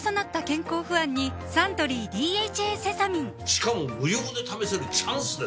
しかも無料で試せるチャンスですよ